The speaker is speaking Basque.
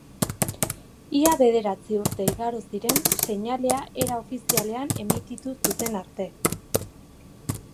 Ia bederatzi urte igaro ziren seinalea era ofizialean emititu zuten arte.